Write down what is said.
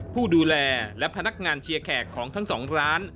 ผู้ดูแลและพนักงานเชียร์แขกของทั้งสองร้าน